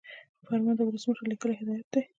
فرمان د ولسمشر لیکلی هدایت دی.